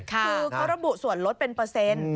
ก็ระบุส่วนลดเป็นเปอร์เซนต์